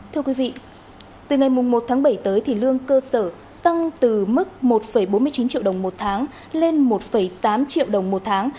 thưa quý vị từ ngày một tháng bảy tới thì lương cơ sở tăng từ mức một bốn mươi chín triệu đồng một tháng lên một tám triệu đồng một tháng